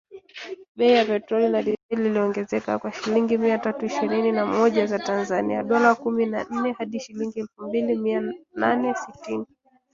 Bei ya petroli na dizeli iliongezeka kwa shilingi mia tatu ishirini na moja za Tanzania ( dola kumi na nne) hadi shilingi elfu mbili mia nane sitini